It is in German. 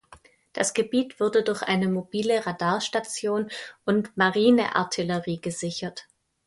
Das Gebiet wurde durch eine mobile Radarstation und Marineartillerie gesichert.